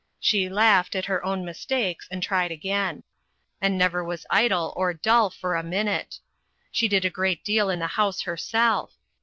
She laughed at her own mistakes, and tried again; she never was idle or dull for a minute. She did a great deal in the house herself.